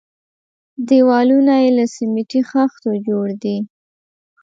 دېوالونه يې له سميټي خښتو جوړ دي.